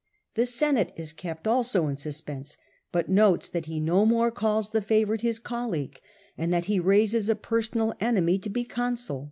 The Senate is kept also in suspense, but notes that he no more calls the fa vourite his colleague, and that he raises a per sonal enemy to be consul.